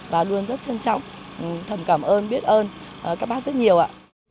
và luôn rất trân trọng thầm cảm ơn biết ơn các bác rất nhiều ạ